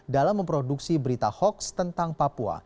dalam memproduksi berita hoax tentang papua